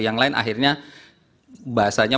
yang lain akhirnya bahasanya